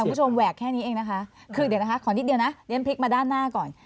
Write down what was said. แหวกแค่นี้เองนะคะคือเดี๋ยวนะคะขอนิดเดียวนะเรียนพลิกมาด้านหน้าก่อน